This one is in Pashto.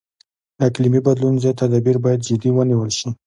د اقلیمي بدلون ضد تدابیر باید جدي ونیول شي.